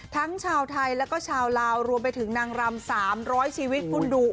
ทั้งชาวไทยแล้วก็ชาวลาวรวมไปถึงนางรำ๓๐๐ชีวิตคุณดู